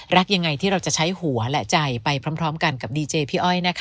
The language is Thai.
รักยังไงที่เราจะใช้หัวและใจไปพร้อมกันกับดีเจพี่อ้อยนะคะ